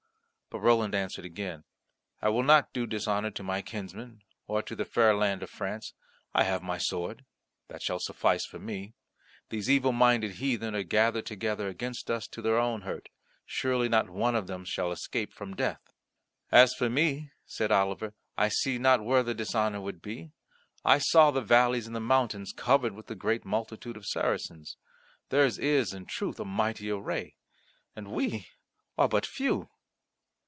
But Roland answered again, "I will not do dishonour to my kinsmen, or to the fair land of France. I have my sword; that shall suffice for me. These evil minded heathen are gathered together against us to their own hurt. Surely not one of them shall escape from death." "As for me," said Oliver, "I see not where the dishonour would be. I saw the valleys and the mountains covered with the great multitude of Saracens. Theirs is, in truth, a mighty array, and we are but few."